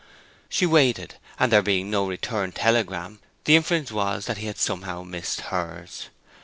She waited; and there being no return telegram, the inference was that he had somehow missed hers.